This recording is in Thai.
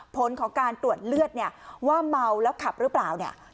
ผลของการตรวจเลือดเนี่ยว่าเมาแล้วขับหรือเปล่าเนี่ย